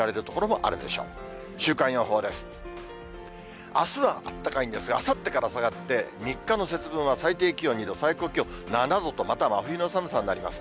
あすはあったかいんですが、あさってから下がって、３日の節分は最低気温２度、最高気温７度と、また真冬の寒さになりますね。